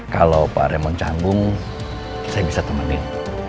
kalau pak remon canggung saya bisa temenin